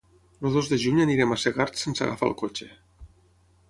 El dos de juny anirem a Segart sense agafar el cotxe.